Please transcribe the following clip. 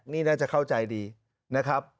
นี่น่าจะเข้าใจดีนะครับ